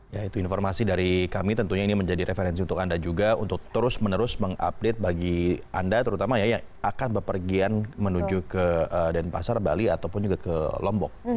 ya itu informasi dari kami tentunya ini menjadi referensi untuk anda juga untuk terus menerus mengupdate bagi anda terutama ya yang akan berpergian menuju ke denpasar bali ataupun juga ke lombok